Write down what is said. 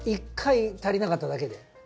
１回足りなかっただけで？